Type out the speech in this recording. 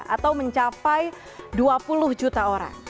atau mencapai dua puluh juta orang